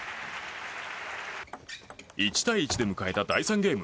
１対１で迎えた第３ゲーム。